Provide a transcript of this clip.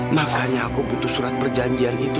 makanya aku putus surat perjanjian itu